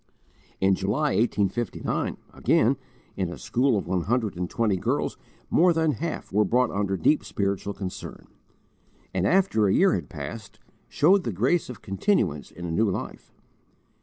In July, 1859, again, in a school of one hundred and twenty girls more than half were brought under deep spiritual concern; and, after a year had passed, shewed the grace of continuance in a new life.